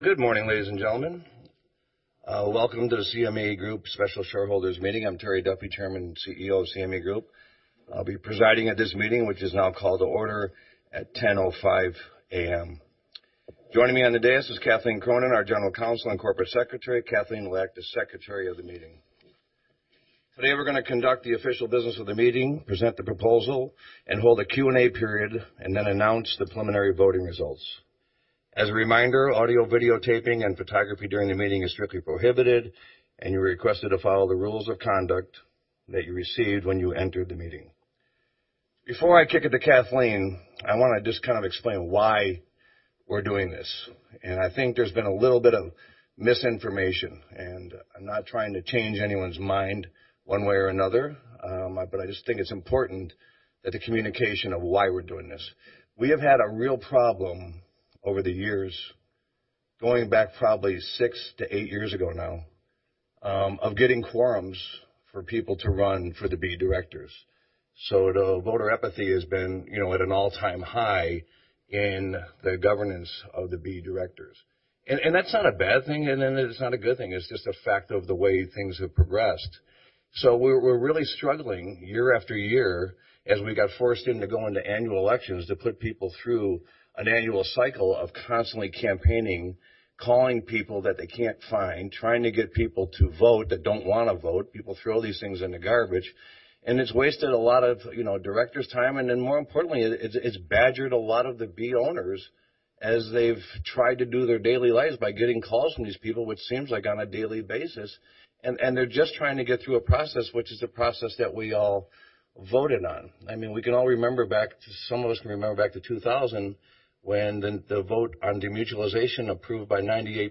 Good morning, ladies and gentlemen. Welcome to the CME Group Special Shareholders Meeting. I'm Terry Duffy, Chairman, CEO of CME Group. I'll be presiding at this meeting, which is now called to order at 10:05 A.M. Joining me on the dais is Kathleen Cronin, our General Counsel and Corporate Secretary. Kathleen will act as Secretary of the meeting. Today, we're going to conduct the official business of the meeting, present the proposal, and hold a Q&A period, then announce the preliminary voting results. As a reminder, audio, videotaping, and photography during the meeting is strictly prohibited, and you're requested to follow the rules of conduct that you received when you entered the meeting. Before I kick it to Kathleen, I want to just explain why we're doing this. I think there's been a little bit of misinformation, and I'm not trying to change anyone's mind one way or another. I just think it's important that the communication of why we're doing this. We have had a real problem over the years, going back probably 6 to 8 years ago now, of getting quorums for people to run for the B directors. The voter apathy has been at an all-time high in the governance of the B directors. That's not a bad thing, and it's not a good thing. It's just a fact of the way things have progressed. We're really struggling year after year as we got forced into going to annual elections to put people through an annual cycle of constantly campaigning, calling people that they can't find, trying to get people to vote that don't want to vote. People throw these things in the garbage, and it's wasted a lot of director's time. More importantly, it's badgered a lot of the B owners as they've tried to do their daily lives by getting calls from these people, which seems like on a daily basis. They're just trying to get through a process, which is the process that we all voted on. Some of us can remember back to 2000 when the vote on demutualization approved by 98%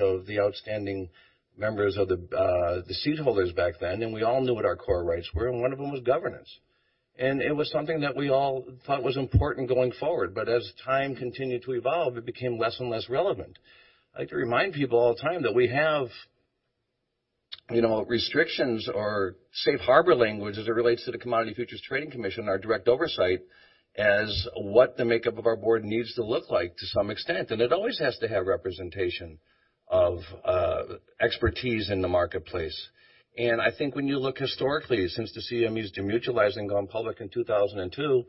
of the outstanding members of the seat holders back then, and we all knew what our core rights were, and one of them was governance. It was something that we all thought was important going forward. As time continued to evolve, it became less and less relevant. I like to remind people all the time that we have restrictions or safe harbor language as it relates to the Commodity Futures Trading Commission, our direct oversight, as what the makeup of our board needs to look like to some extent. It always has to have representation of expertise in the marketplace. I think when you look historically, since the CME's demutualized and gone public in 2002,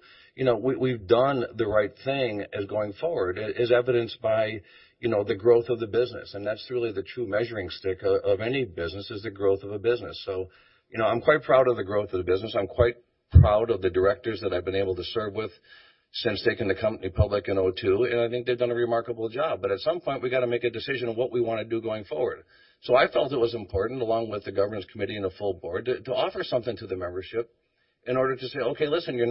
we've done the right thing as going forward, as evidenced by the growth of the business. That's really the true measuring stick of any business, is the growth of a business. I'm quite proud of the growth of the business. I'm quite proud of the directors that I've been able to serve with since taking the company public in 2002, and I think they've done a remarkable job. At some point, we got to make a decision of what we want to do going forward. I felt it was important, along with the governance committee and the full board, to offer something to the membership in order to say, "Okay, listen, you're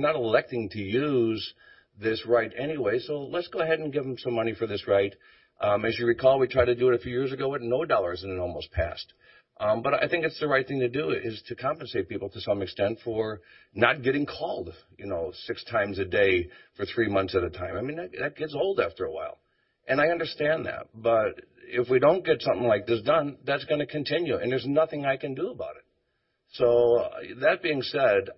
not electing to use this right anyway, so let's go ahead and give them some money for this right." As you recall, we tried to do it a few years ago with no dollars, and it almost passed. I think it's the right thing to do is to compensate people to some extent for not getting called six times a day for three months at a time. That gets old after a while, and I understand that. If we don't get something like this done, that's going to continue, and there's nothing I can do about it. That being said,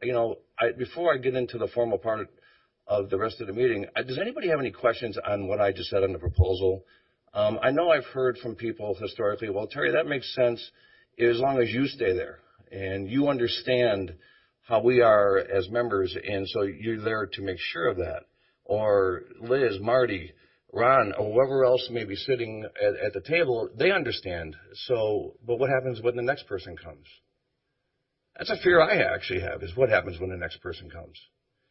before I get into the formal part of the rest of the meeting, does anybody have any questions on what I just said on the proposal? I know I've heard from people historically, "Well, Terry, that makes sense as long as you stay there, and you understand how we are as members, and so you're there to make sure of that." Or Liz, Marty, Ron, or whoever else may be sitting at the table, they understand. What happens when the next person comes? That's a fear I actually have, is what happens when the next person comes?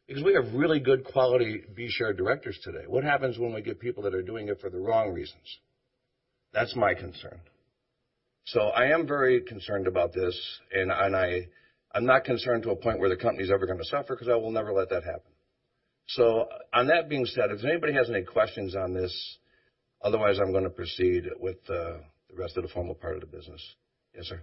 Because we have really good quality B share directors today. What happens when we get people that are doing it for the wrong reasons? That's my concern. I am very concerned about this, and I'm not concerned to a point where the company's ever going to suffer because I will never let that happen. On that being said, if anybody has any questions on this? Otherwise, I'm going to proceed with the rest of the formal part of the business. Yes, sir.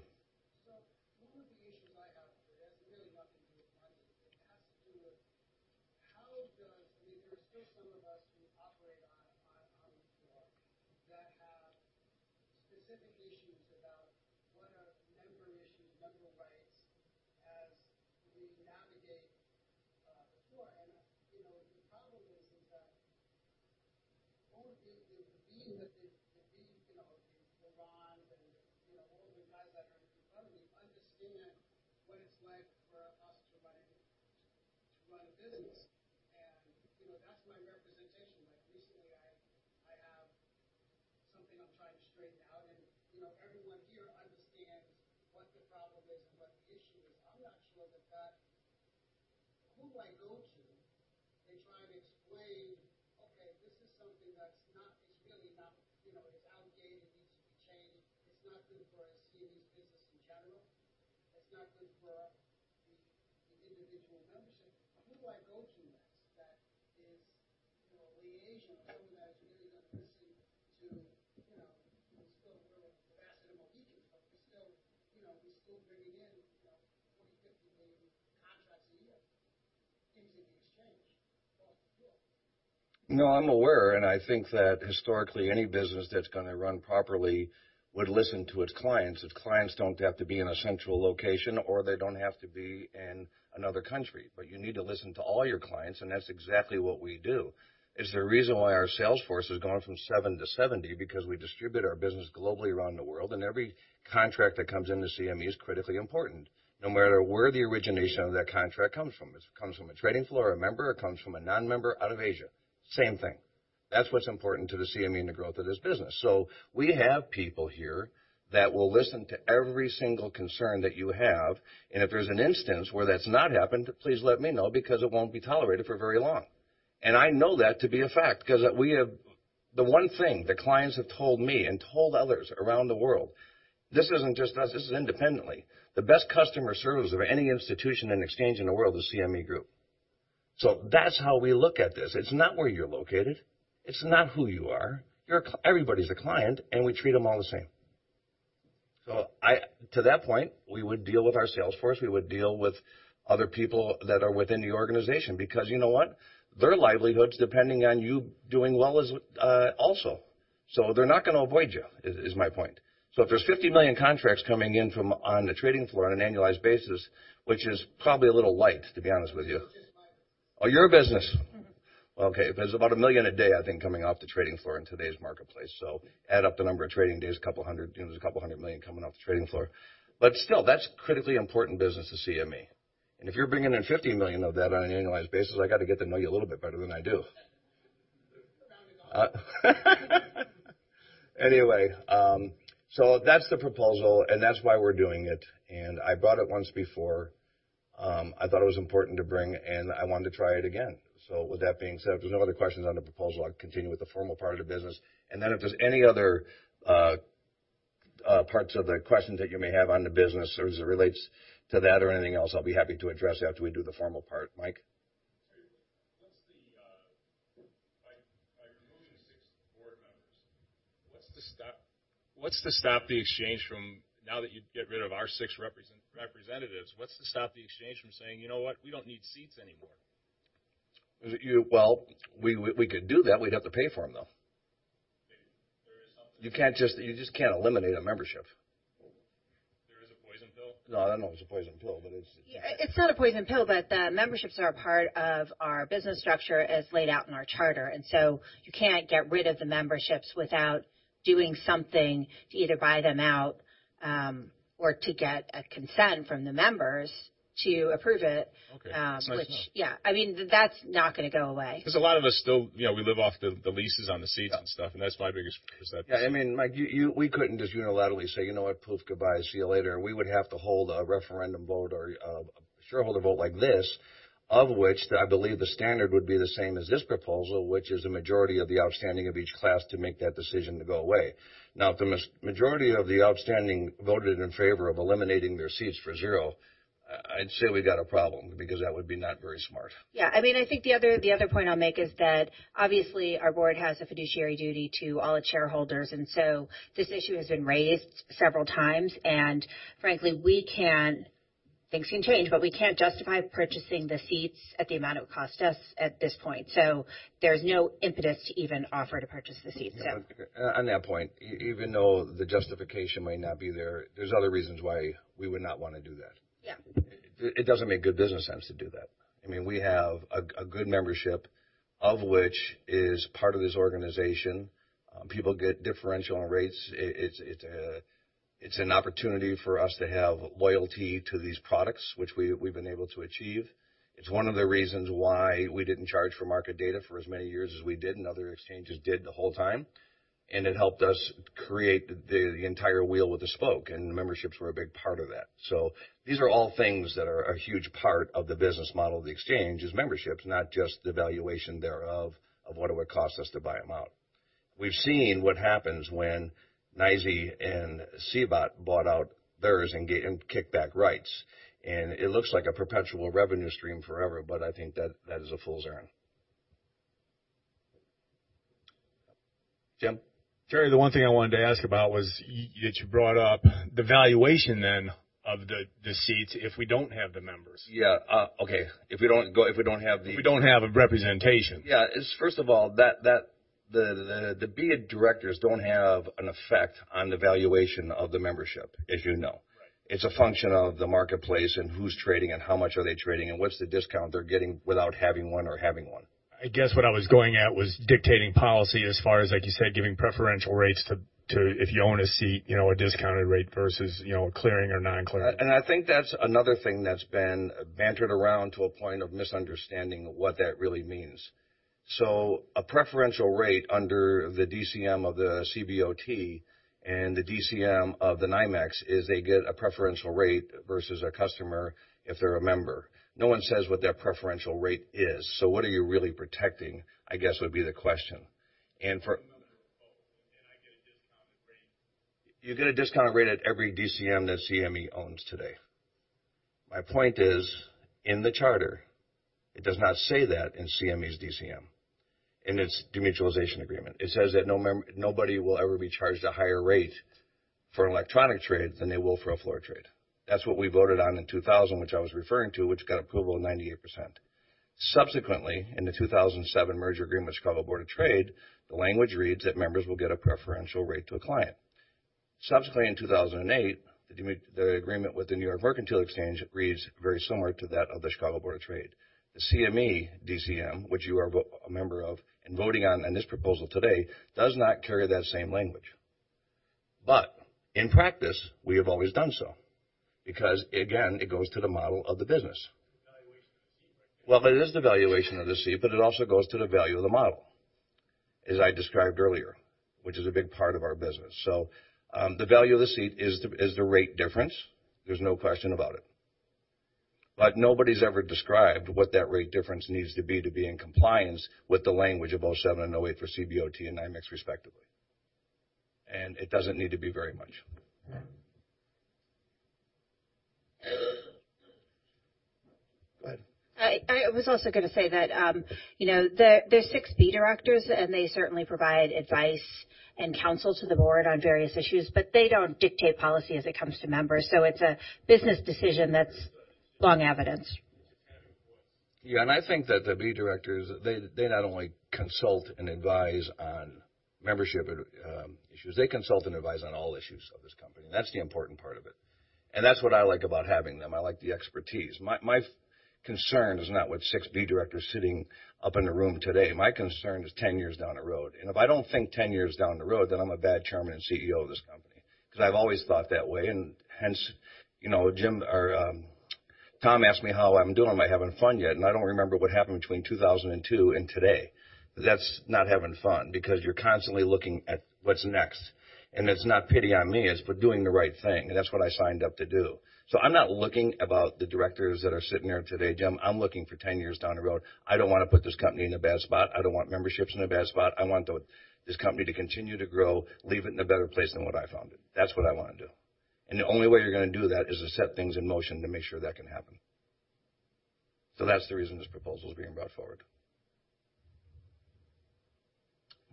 One of the issues I have, it has really nothing to do with money. It has to do with There are still some of us who operate on the floor that have specific issues about what are member issues, member rights as we navigate the floor. The problem is that only the B, the Rons and all the guys that are in front of me understand what it's like for us to run a business. That's my representation. Recently, I have something I'm trying to straighten out, and everyone here understands what the problem is and what the issue is. I'm not sure that Who do I go to and try to explain, okay, this is something that's It's outdated, it needs to be changed. It's not good for a CME's business in general. It's not good for the individual membership. Who do I go to that is a liaison? Some of that is really going to listen to, we're still a little Last of the Mohicans, but we're still bringing in No, I'm aware. I think that historically, any business that's going to run properly would listen to its clients. Its clients don't have to be in a central location, or they don't have to be in another country. You need to listen to all your clients, and that's exactly what we do. It's the reason why our sales force has gone from seven to 70, because we distribute our business globally around the world, and every contract that comes into CME is critically important. No matter where the origination of that contract comes from, if it comes from a trading floor or a member, or it comes from a non-member out of Asia, same thing. That's what's important to the CME and the growth of this business. We have people here that will listen to every single concern that you have, and if there's an instance where that's not happened, please let me know because it won't be tolerated for very long. I know that to be a fact because the one thing that clients have told me and told others around the world, this isn't just us, this is independently, the best customer service of any institution and exchange in the world is CME Group. That's how we look at this. It's not where you're located. It's not who you are. Everybody's a client, and we treat them all the same. To that point, we would deal with our sales force, we would deal with other people that are within the organization because you know what? Their livelihood's depending on you doing well also. They're not going to avoid you, is my point. If there's 50 million contracts coming in from on the trading floor on an annualized basis, which is probably a little light, to be honest with you. It's just mine. Oh, your business? Mm-hmm. Okay. There's about a million a day, I think, coming off the trading floor in today's marketplace. Add up the number of trading days, a couple hundred million coming off the trading floor. Still, that's critically important business to CME. If you're bringing in 50 million of that on an annualized basis, I got to get to know you a little bit better than I do. Count me gone. Anyway, that's the proposal, and that's why we're doing it. I brought it once before. I thought it was important to bring, and I wanted to try it again. With that being said, if there's no other questions on the proposal, I'll continue with the formal part of the business. Then if there's any other parts of the questions that you may have on the business as it relates to that or anything else, I'll be happy to address after we do the formal part. Mike? Terry, by removing the six board members, what's to stop the exchange from, now that you'd get rid of our six representatives, what's to stop the exchange from saying, "You know what? We don't need seats anymore. Well, we could do that. We'd have to pay for them, though. There is something. You just can't eliminate a membership. There is a poison pill? No, I don't know if it's a poison pill. It's not a poison pill, but the memberships are a part of our business structure as laid out in our charter. You can't get rid of the memberships without doing something to either buy them out, or to get a consent from the members to approve it. Okay. It's nice to know. Yeah. That's not going to go away. A lot of us still, we live off the leases on the seats and stuff, and that's my biggest concern. Yeah. Mike, we couldn't just unilaterally say, "You know what? Poof, goodbye. See you later." We would have to hold a referendum vote or a shareholder vote like this, of which I believe the standard would be the same as this proposal, which is a majority of the outstanding of each class to make that decision to go away. If the majority of the outstanding voted in favor of eliminating their seats for zero, I'd say we've got a problem because that would be not very smart. Yeah. I think the other point I'll make is that obviously our board has a fiduciary duty to all its shareholders, this issue has been raised several times, and frankly, things can change, but we can't justify purchasing the seats at the amount it would cost us at this point. There's no impetus to even offer to purchase the seats. On that point, even though the justification might not be there's other reasons why we would not want to do that. Yeah. It doesn't make good business sense to do that. We have a good membership, of which is part of this organization. People get differential on rates. It's an opportunity for us to have loyalty to these products, which we've been able to achieve. It's one of the reasons why we didn't charge for market data for as many years as we did, and other exchanges did the whole time. It helped us create the entire wheel with the spoke, and the memberships were a big part of that. These are all things that are a huge part of the business model of the exchange, is memberships, not just the valuation thereof of what it would cost us to buy them out. We've seen what happens when NYSE and CBOT bought out theirs and kicked back rights. It looks like a perpetual revenue stream forever, but I think that is a fool's errand. Jim? Terry, the one thing I wanted to ask about was, that you brought up the valuation then of the seats if we don't have the members. Yeah. Okay. If we don't have. If we don't have a representation. Yeah. First of all, the B directors don't have an effect on the valuation of the membership, as you know. Right. It's a function of the marketplace and who's trading and how much are they trading and what's the discount they're getting without having one or having one. I guess what I was going at was dictating policy as far as, like you said, giving preferential rates, if you own a seat, a discounted rate versus clearing or non-clearing. I think that's another thing that's been bantered around to a point of misunderstanding what that really means. A preferential rate under the DCM of the CBOT and the DCM of the NYMEX is they get a preferential rate versus a customer if they're a member. No one says what that preferential rate is. What are you really protecting, I guess would be the question. I'm a member, and I get a discounted rate. You get a discounted rate at every DCM that CME owns today. My point is, in the charter, it does not say that in CME's DCM, in its demutualization agreement. It says that nobody will ever be charged a higher rate for an electronic trade than they will for a floor trade. That's what we voted on in 2000, which I was referring to, which got approval of 98%. Subsequently, in the 2007 merger agreement with Chicago Board of Trade, the language reads that members will get a preferential rate to a client. Subsequently, in 2008, the agreement with the New York Mercantile Exchange reads very similar to that of the Chicago Board of Trade. The CME DCM, which you are a member of and voting on in this proposal today, does not carry that same language. In practice, we have always done so because, again, it goes to the model of the business. The valuation of the seat right there. Well, it is the valuation of the seat, it also goes to the value of the model, as I described earlier, which is a big part of our business. The value of the seat is the rate difference. There's no question about it. Nobody's ever described what that rate difference needs to be to be in compliance with the language of 2007 and 2008 for CBOT and NYMEX respectively. It doesn't need to be very much. Go ahead. There are 6 B directors, and they certainly provide advice and counsel to the board on various issues, but they don't dictate policy as it comes to members. It's a business decision that's long evidenced. I think that the B directors, they not only consult and advise on membership issues, they consult and advise on all issues of this company. That's the important part of it. That's what I like about having them. I like the expertise. My concern is not with 6 B directors sitting up in the room today. My concern is 10 years down the road. If I don't think 10 years down the road, then I'm a bad Chairman and CEO of this company, because I've always thought that way, and hence Tom asked me how I'm doing. Am I having fun yet? I don't remember what happened between 2002 and today. That's not having fun because you're constantly looking at what's next. It's not pity on me. It's for doing the right thing. That's what I signed up to do. I'm not looking about the directors that are sitting there today, Jim. I'm looking for 10 years down the road. I don't want to put this company in a bad spot. I don't want memberships in a bad spot. I want this company to continue to grow, leave it in a better place than what I found it. That's what I want to do. The only way you're going to do that is to set things in motion to make sure that can happen. That's the reason this proposal is being brought forward.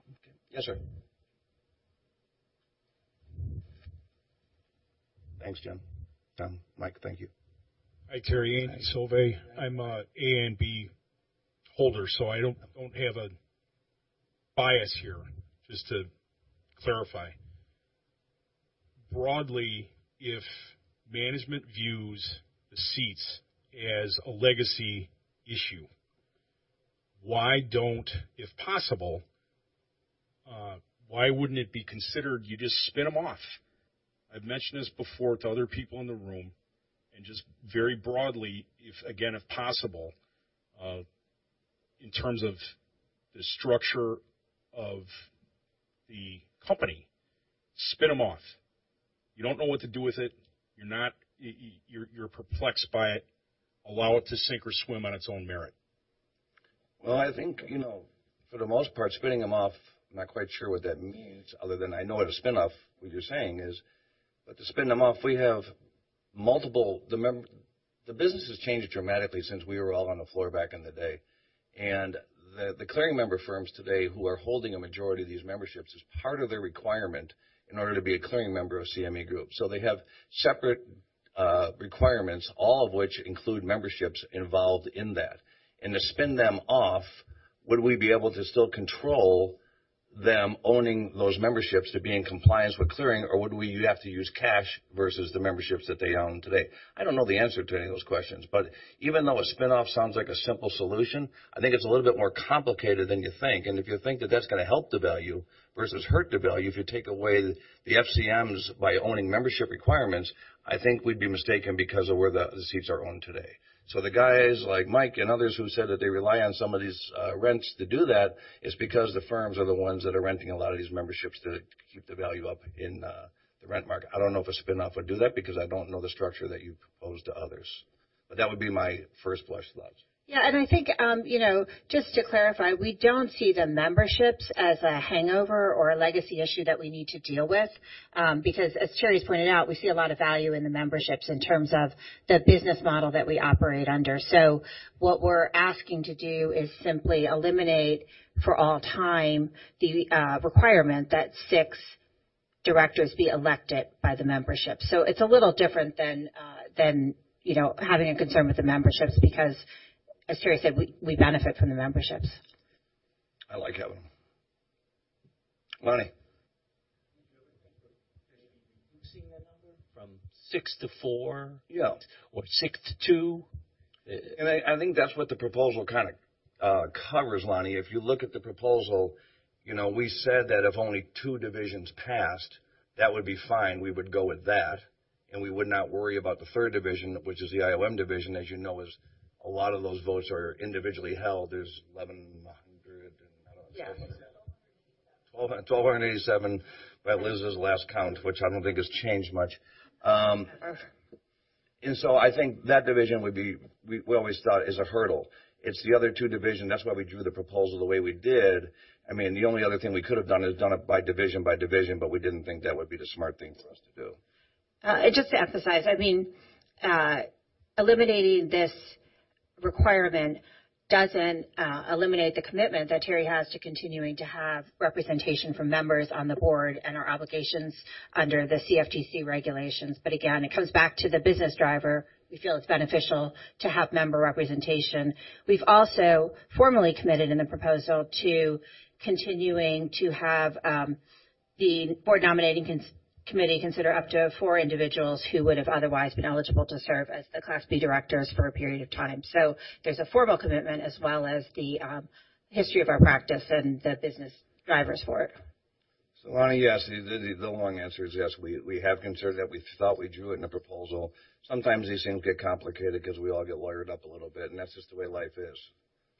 Okay. Yes, sir. Thanks, Jim. Tom. Mike, thank you. Hi, Terry. Andy Silvey. I'm an A and B holder, I don't have a bias here, just to clarify. Broadly, if management views the seats as a legacy issue, if possible, why wouldn't it be considered you just spin them off? I've mentioned this before to other people in the room. Just very broadly, again, if possible, in terms of the structure of the company, spin them off. You don't know what to do with it. You're perplexed by it. Allow it to sink or swim on its own merit. I think, for the most part, spinning them off, I'm not quite sure what that means other than I know what a spin-off, what you're saying is. To spin them off, the business has changed dramatically since we were all on the floor back in the day. The clearing member firms today who are holding a majority of these memberships, as part of their requirement in order to be a clearing member of CME Group. They have separate requirements, all of which include memberships involved in that. To spin them off, would we be able to still control them owning those memberships to be in compliance with clearing, or would we have to use cash versus the memberships that they own today? I don't know the answer to any of those questions. Even though a spin-off sounds like a simple solution, I think it's a little bit more complicated than you think. If you think that that's going to help the value versus hurt the value, if you take away the FCMs by owning membership requirements, I think we'd be mistaken because of where the seats are owned today. The guys like Mike and others who said that they rely on some of these rents to do that, it's because the firms are the ones that are renting a lot of these memberships to keep the value up in the rent market. I don't know if a spin-off would do that because I don't know the structure that you proposed to others. That would be my first blush thoughts. Yeah, I think just to clarify, we don't see the memberships as a hangover or a legacy issue that we need to deal with, because as Terry's pointed out, we see a lot of value in the memberships in terms of the business model that we operate under. What we're asking to do is simply eliminate for all time the requirement that six directors be elected by the membership. It's a little different than having a concern with the memberships because, as Terry said, we benefit from the memberships. I like having them. Lonnie. Would you ever think of maybe reducing that number from six to four? Yeah. Six to two? I think that's what the proposal kind of covers, Lonnie. If you look at the proposal, we said that if only two divisions passed, that would be fine. We would go with that, and we would not worry about the third division, which is the IOM division. As you know, a lot of those votes are individually held. There's 1,100 and I don't know. Yeah. 1,287 by Liz's last count, which I don't think has changed much. I think that division we always thought is a hurdle. It's the other two division. That's why we drew the proposal the way we did. The only other thing we could have done is done it by division, we didn't think that would be the smart thing for us to do. Just to emphasize, eliminating this requirement doesn't eliminate the commitment that Terry has to continuing to have representation from members on the board and our obligations under the CFTC regulations. Again, it comes back to the business driver. We feel it's beneficial to have member representation. We've also formally committed in the proposal to continuing to have the board nominating committee consider up to four individuals who would have otherwise been eligible to serve as the Class B directors for a period of time. There's a formal commitment as well as the history of our practice and the business drivers for it. Lonnie, yes. The long answer is yes. We have considered that. We thought we drew it in a proposal. Sometimes these things get complicated because we all get lawyered up a little bit, and that's just the way life is.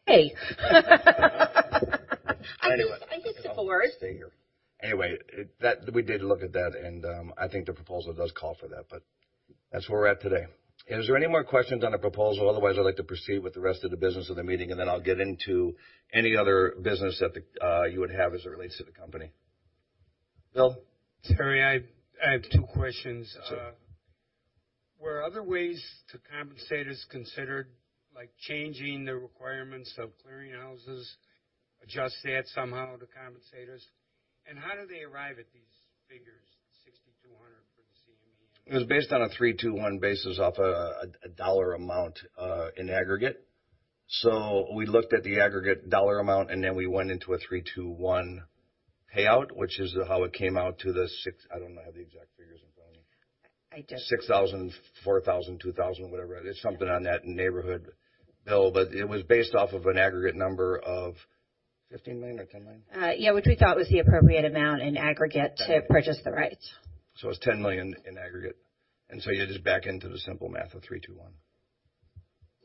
Hey. Anyway. I do simple words. I'll stay here. We did look at that, and I think the proposal does call for that, but that's where we're at today. Is there any more questions on the proposal? I'd like to proceed with the rest of the business of the meeting, and then I'll get into any other business that you would have as it relates to the company. Bill? Terry, I have two questions. Sure. Were other ways to compensate us considered, like changing the requirements of clearing houses, adjust that somehow to compensate us? How do they arrive at these figures, $6,200 for the CME? It was based on a three, two, one basis off a dollar amount in aggregate. We looked at the aggregate dollar amount, and then we went into a three, two, one payout. I don't have the exact figures in front of me. I do. 6,000, 4,000, 2,000, whatever. It's something on that neighborhood, Bill. It was based off of an aggregate number of $15 million or $10 million. Yeah, which we thought was the appropriate amount in aggregate to purchase the rights. It was $10 million in aggregate, you just back into the simple math of three, two, one.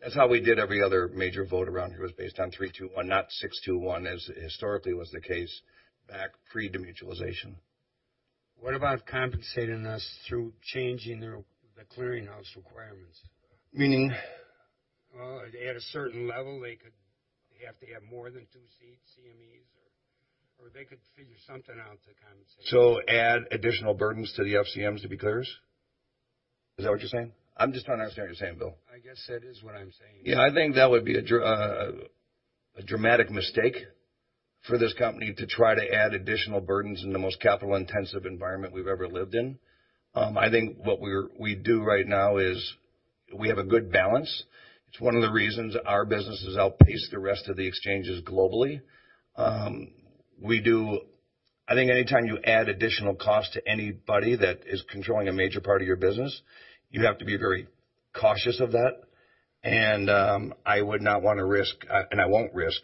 That's how we did every other major vote around here, was based on three, two, one, not six, two, one, as historically was the case back pre-demutualization. What about compensating us through changing the clearinghouse requirements? Meaning? Well, at a certain level, they have to have more than two seat CMEs, or they could figure something out to compensate. Add additional burdens to the FCMs to be clearers? Is that what you're saying? I'm just not understanding what you're saying, Bill. I guess that is what I'm saying. Yeah, I think that would be a dramatic mistake for this company to try to add additional burdens in the most capital-intensive environment we've ever lived in. I think what we do right now is we have a good balance. It's one of the reasons our business has outpaced the rest of the exchanges globally. I think anytime you add additional cost to anybody that is controlling a major part of your business, you have to be very cautious of that, and I would not want to risk, and I won't risk,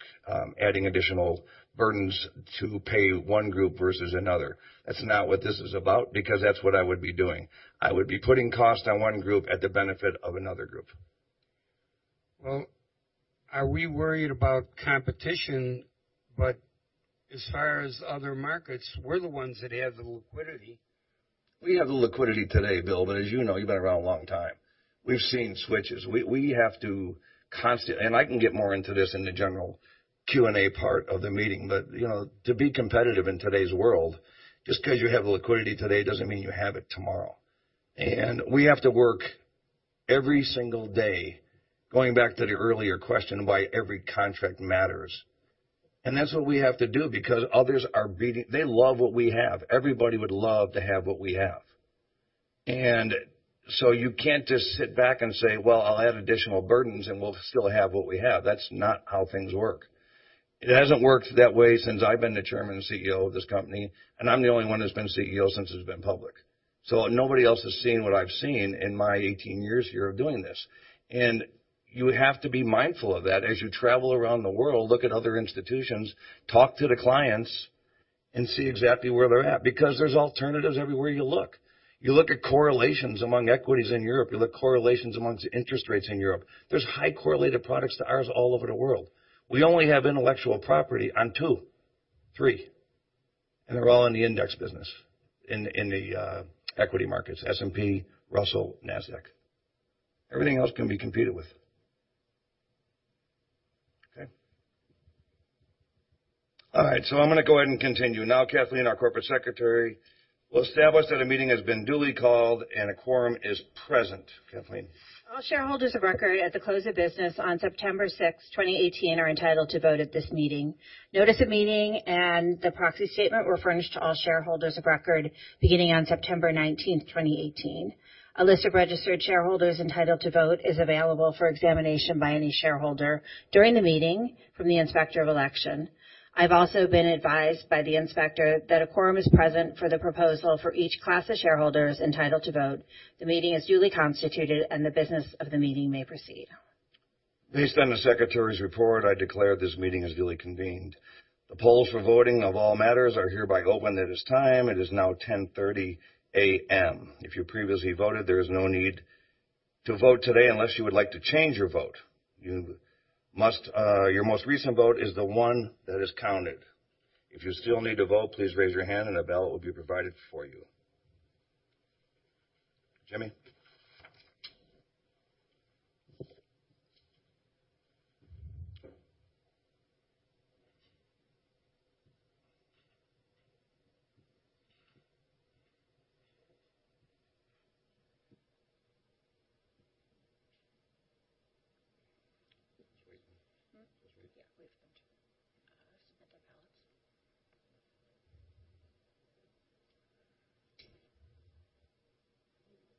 adding additional burdens to pay one group versus another. That's not what this is about because that's what I would be doing. I would be putting cost on one group at the benefit of another group. Are we worried about competition, as far as other markets, we're the ones that have the liquidity. We have the liquidity today, Bill, as you know, you've been around a long time. We've seen switches. I can get more into this in the general Q&A part of the meeting. To be competitive in today's world, just because you have the liquidity today doesn't mean you have it tomorrow. We have to work every single day, going back to the earlier question, why every contract matters. That's what we have to do because others are beating. They love what we have. Everybody would love to have what we have. You can't just sit back and say, "Well, I'll add additional burdens, and we'll still have what we have." That's not how things work. It hasn't worked that way since I've been the Chairman and CEO of this company, and I'm the only one who's been CEO since it's been public. Nobody else has seen what I've seen in my 18 years here of doing this. You have to be mindful of that as you travel around the world, look at other institutions, talk to the clients, and see exactly where they're at because there's alternatives everywhere you look. You look at correlations among equities in Europe. You look at correlations amongst interest rates in Europe. There's high correlated products to ours all over the world. We only have intellectual property on two, three, and they're all in the index business, in the equity markets, S&P, Russell, Nasdaq. Everything else can be competed with. Okay. I'm going to go ahead and continue. Now, Kathleen, our Corporate Secretary, will establish that a meeting has been duly called and a quorum is present. Kathleen? All shareholders of record at the close of business on September 6, 2018, are entitled to vote at this meeting. Notice of meeting and the proxy statement were furnished to all shareholders of record beginning on September 19, 2018. A list of registered shareholders entitled to vote is available for examination by any shareholder during the meeting from the Inspector of Election. I've also been advised by the Inspector that a quorum is present for the proposal for each class of shareholders entitled to vote. The meeting is duly constituted, and the business of the meeting may proceed. Based on the secretary's report, I declare this meeting is duly convened. The polls for voting of all matters are hereby open. It is now 10:30 A.M. If you previously voted, there is no need to vote today unless you would like to change your vote. Your most recent vote is the one that is counted. If you still need to vote, please raise your hand and a ballot will be provided for you. Jimmy? Just wait. Just wait. Yeah, wait for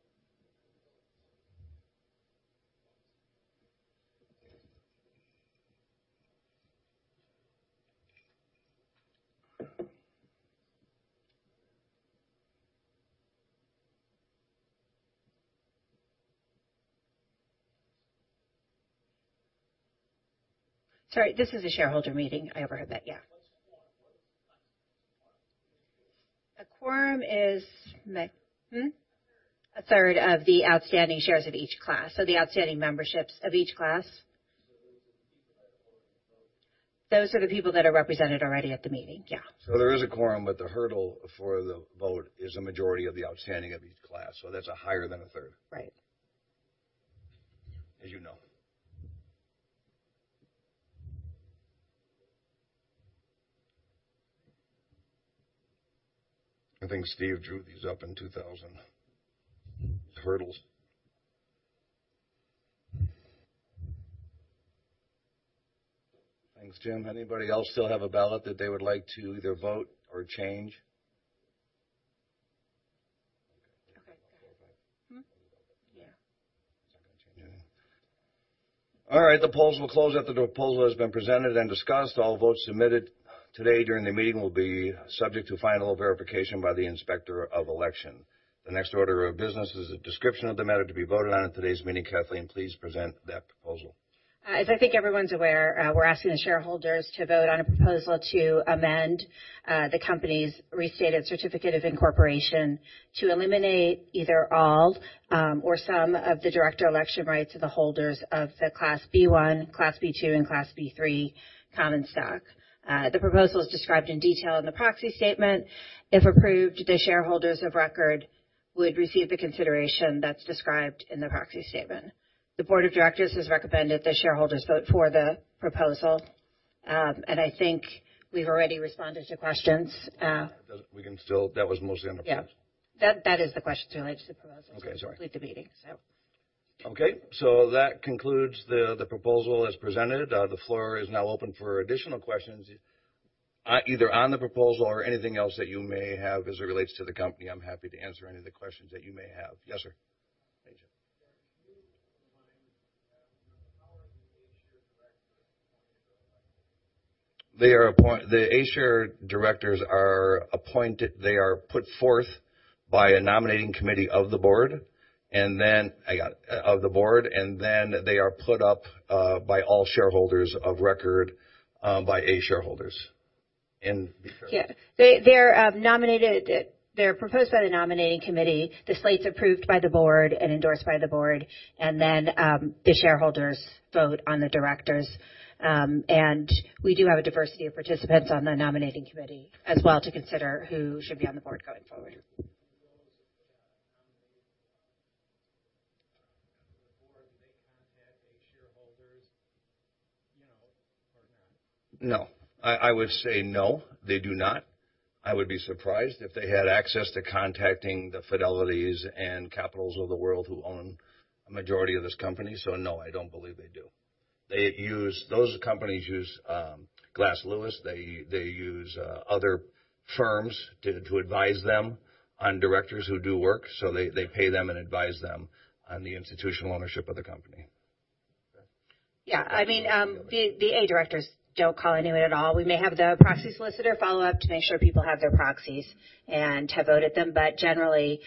them to submit their ballots. Sorry, this is a shareholder meeting. I overheard that. Yeah. What's a quorum? A quorum is A third of the outstanding shares of each class, so the outstanding memberships of each class. Those are the people that are voting to vote? Those are the people that are represented already at the meeting. Yeah. There is a quorum, but the hurdle for the vote is a majority of the outstanding of each class. That's higher than a third. Right. As you know. I think Steve drew these up in 2000, the hurdles. Thanks, Jim. Anybody else still have a ballot that they would like to either vote or change? Okay. Yeah. Yeah. All right. The polls will close after the proposal has been presented and discussed. All votes submitted today during the meeting will be subject to final verification by the Inspector of Election. The next order of business is a description of the matter to be voted on at today's meeting. Kathleen, please present that proposal. As I think everyone's aware, we're asking the shareholders to vote on a proposal to amend the company's restated certificate of incorporation to eliminate either all or some of the director election rights of the holders of the Class B-1, Class B-2, and Class B-3 common stock. The proposal is described in detail in the proxy statement. If approved, the shareholders of record would receive the consideration that's described in the proxy statement. The board of directors has recommended the shareholders vote for the proposal. I think we've already responded to questions. That was mostly on the first. Yeah. That is the question related to the proposal. Okay. Sorry. To complete the meeting. That concludes the proposal as presented. The floor is now open for additional questions either on the proposal or anything else that you may have as it relates to the company. I'm happy to answer any of the questions that you may have. Yes, sir. Hey, Jim. Yeah. Can you remind us how are the A share directors appointed? The A share directors are appointed. They are put forth by a nominating committee of the board, and then they are put up by all shareholders of record, by A shareholders, in the. Yeah. They're proposed by the nominating committee. The slate's approved by the board and endorsed by the board, and then the shareholders vote on the directors. We do have a diversity of participants on the nominating committee as well to consider who should be on the board going forward. The roles of the nominating on the board, do they contact A shareholders or not? No. I would say no, they do not. I would be surprised if they had access to contacting the Fidelity and Capital Group of the world who own a majority of this company. No, I don't believe they do. Those companies use Glass Lewis. They use other firms to advise them on directors who do work. They pay them and advise them on the institutional ownership of the company. Okay. Yeah. The A directors don't call anyone at all. We may have the proxy solicitor follow up to make sure people have their proxies and have voted them. Generally,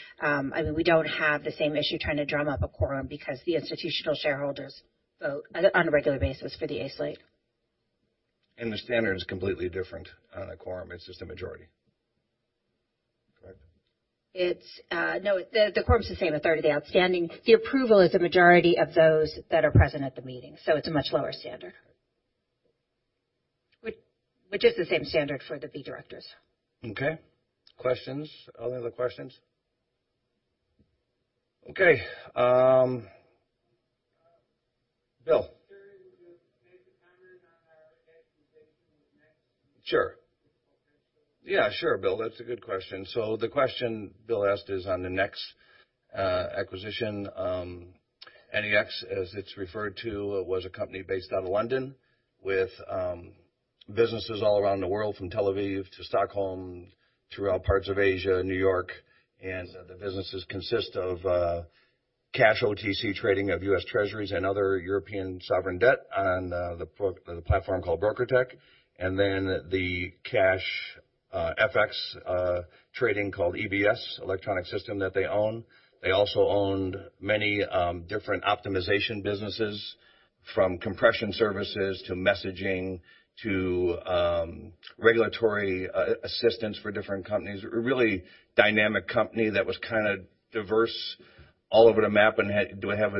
we don't have the same issue trying to drum up a quorum because the institutional shareholders vote on a regular basis for the A slate. The standard is completely different on a quorum. It's just a majority. Correct? No. The quorum's the same, a third of the outstanding. The approval is a majority of those that are present at the meeting, so it's a much lower standard. Which is the same standard for the B directors. Okay. Questions? Other questions? Okay. Bill. Sure. Yeah. Sure, Bill. That's a good question. The question Bill asked is on the NEX acquisition. NEX, as it's referred to, was a company based out of London with businesses all around the world, from Tel Aviv to Stockholm, throughout parts of Asia, New York. The businesses consist of cash OTC trading of U.S. Treasuries and other European sovereign debt on the platform called BrokerTec. Then the cash FX trading called EBS, Electronic System, that they own. They also owned many different optimization businesses from compression services to messaging to regulatory assistance for different companies. A really dynamic company that was kind of diverse all over the map and do have a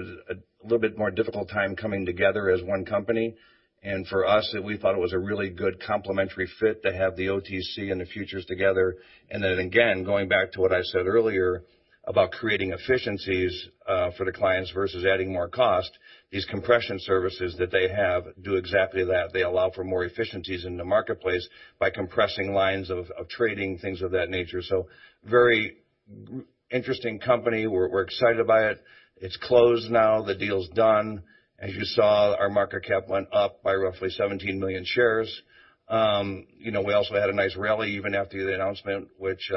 little bit more difficult time coming together as one company. For us, we thought it was a really good complementary fit to have the OTC and the futures together. Again, going back to what I said earlier about creating efficiencies for the clients versus adding more cost, these compression services that they have do exactly that. They allow for more efficiencies in the marketplace by compressing lines of trading, things of that nature. Very interesting company. We're excited about it. It's closed now. The deal's done. As you saw, our market cap went up by roughly 17 million shares. We also had a nice rally even after the announcement, which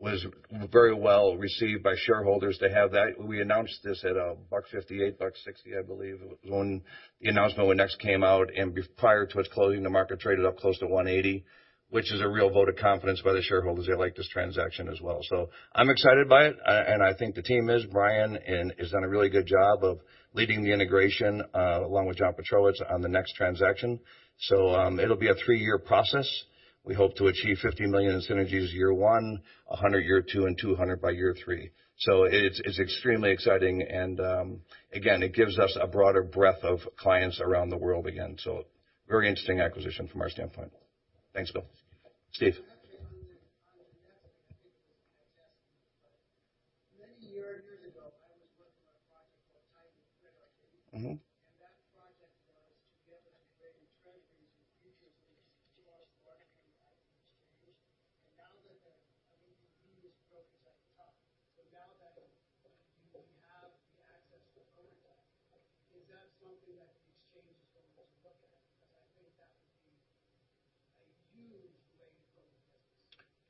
was very well-received by shareholders to have that. We announced this at $1.58, $1.60, I believe. It was when the announcement when NEX came out, and prior to its closing, the market traded up close to $1.80, which is a real vote of confidence by the shareholders. They like this transaction as well. I'm excited by it, and I think the team is. Bryan has done a really good job of leading the integration, along with John Pietrowicz, on the NEX transaction. It'll be a three-year process. We hope to achieve $50 million in synergies year one, $100 million year two, and $200 million by year three. It's extremely exciting, and again, it gives us a broader breadth of clients around the world again. Very interesting acquisition from our standpoint. Thanks, Bill. Steve. Actually, on the NEX thing, I think it was fantastic. Many years ago, I was working on a project called Titan at ICE. That project was to be able to have integrated Treasuries and futures, which was the matching engine. Now that the previous brokers at the top. Now that you have the access to BrokerTec, is that something that the exchange is going to look at? Because I think that would be a huge way to go with this.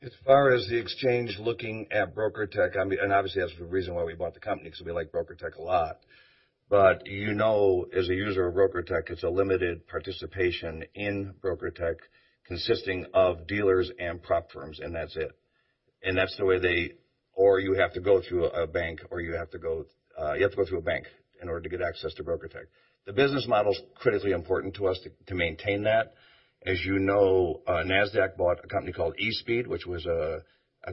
As far as the exchange looking at BrokerTec, obviously that's the reason why we bought the company, because we like BrokerTec a lot. But you know as a user of BrokerTec, it's a limited participation in BrokerTec consisting of dealers and prop firms, and that's it. You have to go through a bank in order to get access to BrokerTec. The business model's critically important to us to maintain that. As you know, Nasdaq bought a company called eSpeed, which was a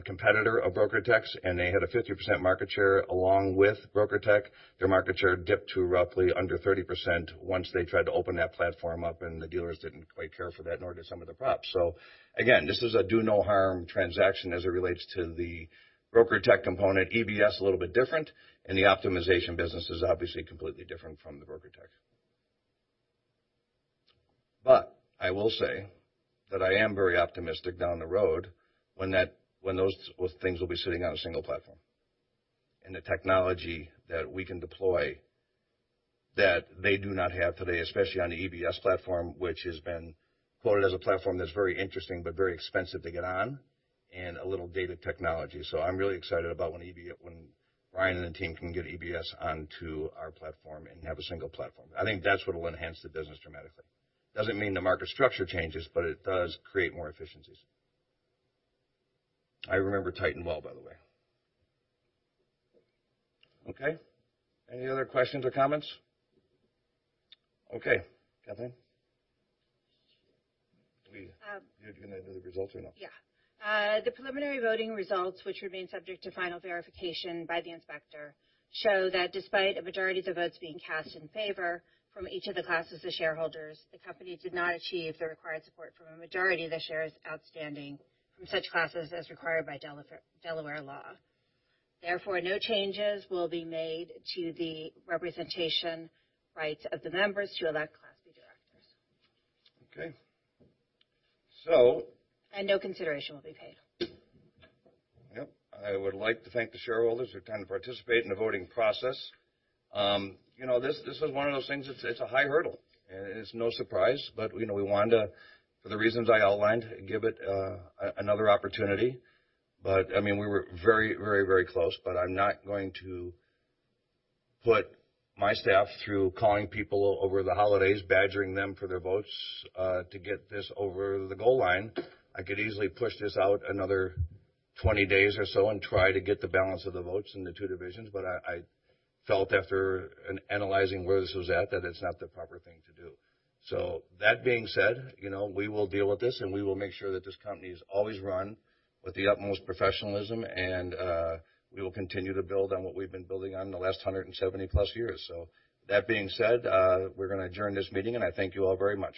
competitor of BrokerTec's, and they had a 50% market share along with BrokerTec. Their market share dipped to roughly under 30% once they tried to open that platform up, and the dealers didn't quite care for that, nor did some of the props. Again, this is a do no harm transaction as it relates to the BrokerTec component. EBS, a little bit different, the optimization business is obviously completely different from the BrokerTec. I will say that I am very optimistic down the road when those things will be sitting on a single platform, and the technology that we can deploy that they do not have today, especially on the EBS platform, which has been quoted as a platform that's very interesting but very expensive to get on, and a little data technology. I'm really excited about when Bryan and the team can get EBS onto our platform and have a single platform. I think that's what'll enhance the business dramatically. Doesn't mean the market structure changes, but it does create more efficiencies. I remember Titan well, by the way. Any other questions or comments? Kathleen. You're going to do the results or no? Yeah. The preliminary voting results, which remain subject to final verification by the inspector, show that despite a majority of the votes being cast in favor from each of the classes of shareholders, the company did not achieve the required support from a majority of the shares outstanding from such classes as required by Delaware law. Therefore, no changes will be made to the representation rights of the members to elect Class B directors. Okay. No consideration will be paid. Yep. I would like to thank the shareholders who have come to participate in the voting process. This is one of those things, it's a high hurdle, and it's no surprise, but we wanted to, for the reasons I outlined, give it another opportunity. We were very close, but I'm not going to put my staff through calling people over the holidays, badgering them for their votes, to get this over the goal line. I could easily push this out another 20 days or so and try to get the balance of the votes in the two divisions, but I felt after analyzing where this was at, that it's not the proper thing to do. That being said, we will deal with this, and we will make sure that this company is always run with the utmost professionalism, and we will continue to build on what we've been building on the last 170 plus years. That being said, we're going to adjourn this meeting, and I thank you all very much.